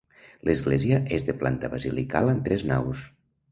L'església és de planta basilical amb tres naus.